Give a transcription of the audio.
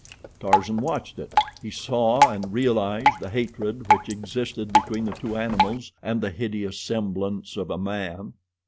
Tarzan watched it. He saw and realized the hatred which existed between the two animals and the hideous semblance of a man.